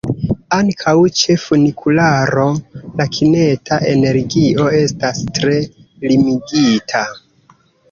Ankaŭ ĉe funikularo la kineta energio estas tre limigita.